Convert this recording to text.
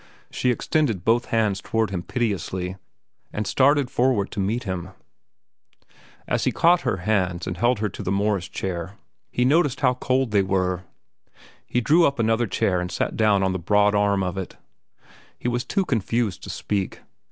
She extended both hands toward him piteously, and started forward to meet him. As he caught her hands and led her to the Morris chair he noticed how cold they were. He drew up another chair and sat down on the broad arm of it. He was too confused to speak.